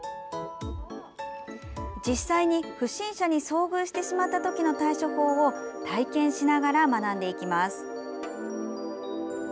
実際に不審者に遭遇してしまったときの対処法を体験しながら学んでいきます。